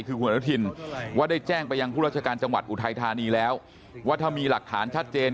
คือคุณอนุทินว่าได้แจ้งไปยังผู้ราชการจังหวัดอุทัยธานีแล้วว่าถ้ามีหลักฐานชัดเจน